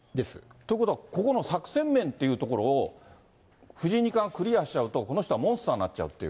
ということはここの作戦面というところを藤井二冠はクリアしちゃうとこの人はモンスターになっちゃうという。